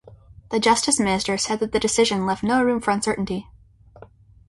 The justice minister said that the decision left no room for uncertainty.